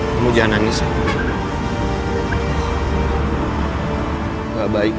aku sudah tidak bisa lagi dengan perasaanmu